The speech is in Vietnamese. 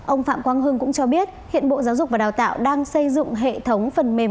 ông phạm quang hưng cũng cho biết hiện bộ giáo dục và đào tạo đang xây dựng hệ thống phần mềm